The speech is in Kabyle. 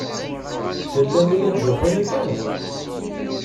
Fell-am i la tetzuxxu akka?